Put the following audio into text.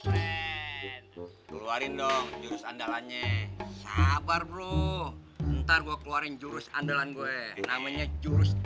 keluarin dong jurus andalannya sabar bro ntar gua keluarin jurus andalan gue namanya jurus